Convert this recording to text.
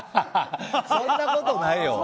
そんなことないよ。